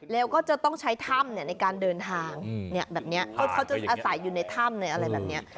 แล้วก็จะต้องใช้ถ้ำในการเดินทางแบบนี้เขาจะอาศัยอยู่ในถ้ำในอะไรแบบนี้